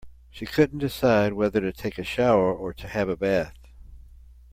She couldn't decide whether to take a shower or to have a bath.